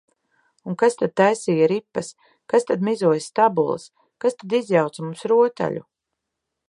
Un kas tad taisīja ripas, kas tad mizoja stabules, kas tad izjauca mums rotaļu?